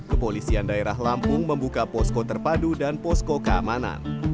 kepolisian daerah lampung membuka posko terpadu dan posko keamanan